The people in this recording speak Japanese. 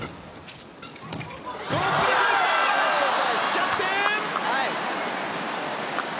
逆転！